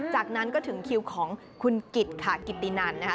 จากนั้นก็ถึงคิวของคุณกิตค่ะกิตตินันนะคะ